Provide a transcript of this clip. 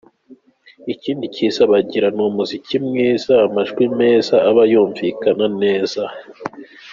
Ikindi cyiza bagira ni umuziki mwiza, amajwi meza aba yumvikana neza.